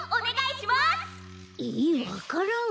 えわか蘭！？